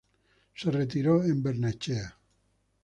Se retiró en Barnechea.